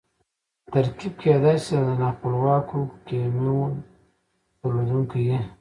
ترکیب کېدای سي د نا خپلواکو کیمو درلودونکی يي.